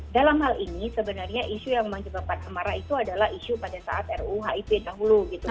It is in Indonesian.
dalam hal ini sebenarnya isu yang menyebabkan amarah itu adalah isu pada saat ruhip dahulu gitu